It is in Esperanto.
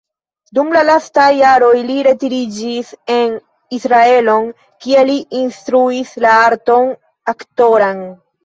Dum la lastaj jaroj li retiriĝis en Israelon, kie li instruis la arton aktoran.